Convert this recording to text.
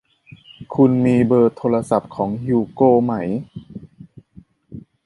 คุณมีเบอร์โทรศัพท์ของฮิวโกไหม